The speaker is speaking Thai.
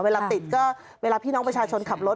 เวลาติดก็เวลาพี่น้องประชาชนขับรถ